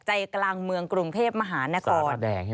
ใจกลางเมืองกรุงเทพมหานคร